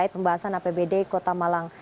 pembahasan apbd kota malang